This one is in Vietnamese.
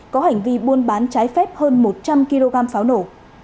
có hành vi buôn bán trái phép hơn một trăm linh kg pháo nổ